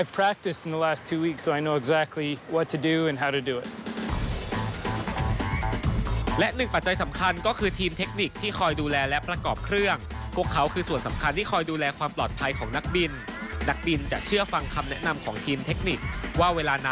พวกเขาคือส่วนสำคัญที่คอยดูแลความปลอดภัยของนักบิน